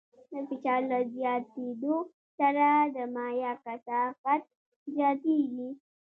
د فشار له زیاتېدو سره د مایع کثافت زیاتېږي.